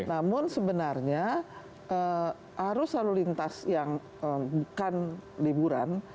terus selalu lintas yang bukan liburan